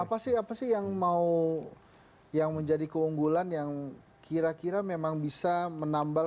apa sih yang mau menjadi keunggulan yang kira kira memang bisa menambal